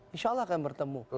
insya allah akan bertemu